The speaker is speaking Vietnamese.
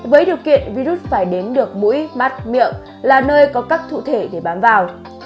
với điều kiện virus phải đến được mũi mắt miệng là nơi có các cụ thể để bám vào